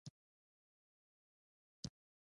پیران لنګر لري.